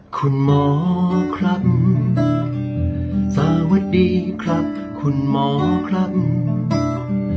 คุณหมอครับสวัสดีครับคุณหมอครับ